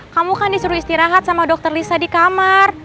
kamu kan disuruh istirahat sama dokter lisa di kamar